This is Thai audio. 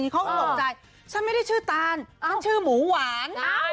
เขาก็ตกใจฉันไม่ได้ชื่อตานฉันชื่อหมูหวาน